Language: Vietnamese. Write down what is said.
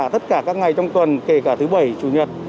tất cả các ngày trong tuần kể cả thứ bảy chủ nhật